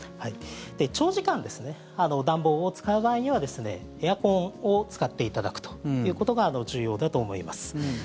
長時間、暖房を使う場合にはエアコンを使っていただくということが重要だと思います。